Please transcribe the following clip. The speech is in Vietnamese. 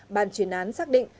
bàn chuyển án xác định